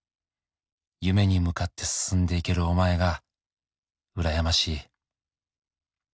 「夢に向かって進んでいけるお前が羨ましい」